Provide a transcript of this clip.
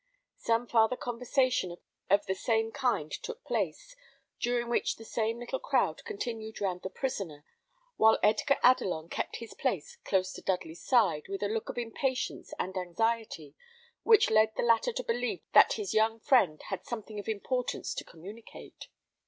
Some farther conversation of the same kind took place, during which the same little crowd continued round the prisoner, while Edgar Adelon kept his place close to Dudley's side, with a look of impatience and anxiety which led the latter to believe that his young friend had something of importance to communicate.